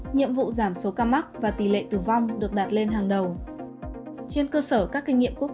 nhiệm vụ giảm số ca mắc và tỷ lệ tử vong được đạt lên hàng đầu trên cơ sở các kinh nghiệm quốc